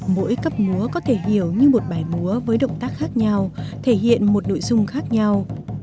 mỗi cấp múa có thể hiểu như một bài múa với động tác khác nhau thể hiện một nội dung khác nhau